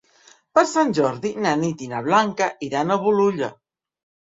Per Sant Jordi na Nit i na Blanca iran a Bolulla.